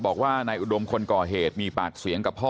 บอกว่านายอุดมคนก่อเหตุมีปากเสียงกับพ่อ